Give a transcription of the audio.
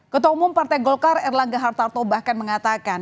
ketua umum partai golkar erlangga hartarto bahkan mengatakan